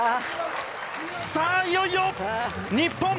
さあ、いよいよ、日本！